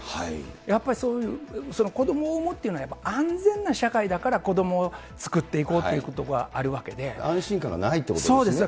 やっぱり子どもを産むっていうのは、やっぱり安全な社会だから子どもを作っていこうというところ安心感がないってことですね。